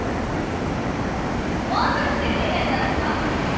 もうすぐ籍入れんだってさ。